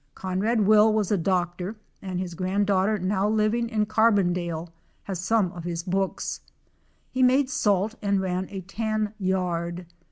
Conrad Will was a doctor, and his granddaughter, now living in Carbondale, has some of his books He made salt and ran a tan yard.